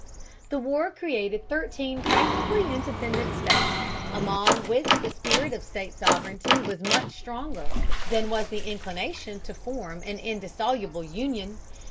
The war created thirteen practically independent states, among which the spirit of state sovereignty was much stronger than was the inclination to form an indissoluble union.